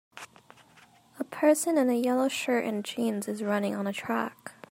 A person in a yellow shirt and jeans is running on a track.